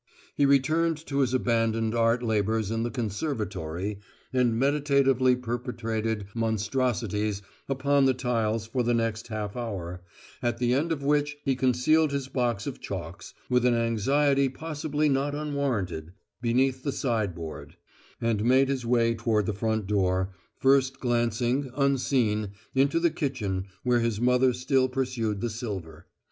He returned to his abandoned art labours in the "conservatory," and meditatively perpetrated monstrosities upon the tiles for the next half hour, at the end of which he concealed his box of chalks, with an anxiety possibly not unwarranted, beneath the sideboard; and made his way toward the front door, first glancing, unseen, into the kitchen where his mother still pursued the silver.